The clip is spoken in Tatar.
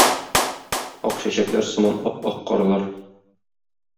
Ак чәчәкләр сыман ап-ак карлар